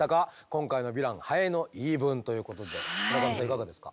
今回のヴィランハエの言い分ということで村上さんいかがですか？